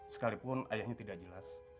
sekalipun ayahnya tidak jelas